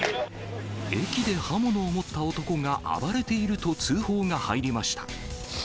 駅で刃物を持った男が暴れていると通報が入りました。